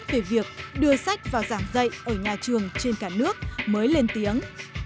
về việc đưa sách vào giảng dạy ở nhà trường trên cả nước mới lên tiếng